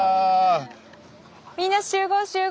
みんな集合集合！